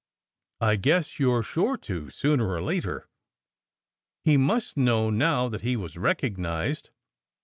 " I guess you re sure to sooner or later. He must know now that he was recognized.